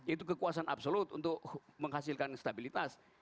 itu kekuasaan absolut untuk menghasilkan stabilitas